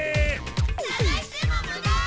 さがしてもムダ！